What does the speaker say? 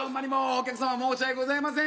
お客様申し訳ございません。